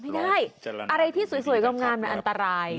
ไม่ได้อะไรที่สวยงามมันอันตราย